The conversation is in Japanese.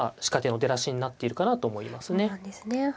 仕掛けの出だしになっているかなと思いますね。